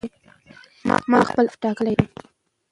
ما خپل هدف ټاکلی دی.